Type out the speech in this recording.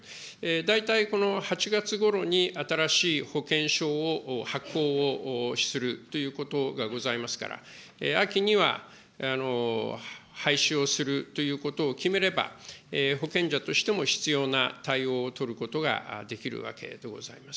大体この８月ごろに新しい保険証を発行をするということがございますから、秋には廃止をするということを決めれば、保険者としても必要な対応を取ることができるわけでございます。